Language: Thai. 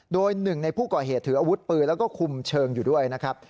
โดยหนึ่งในผู้ก่อเหตุถืออาวุธปืนแล้วก็คุมเชิงอยู่ด้วยนะครับ